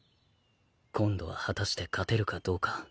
今度は果たして勝てるかどうか。